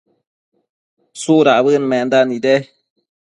¿tsudabëd menda nide ?